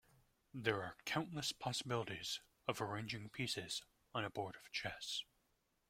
There are countless possibilities of arranging pieces on a board of chess.